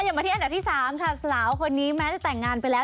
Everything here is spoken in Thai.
มาที่อันดับที่๓ค่ะสาวคนนี้แม้จะแต่งงานไปแล้ว